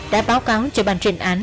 đã báo cáo cho ban chuyên án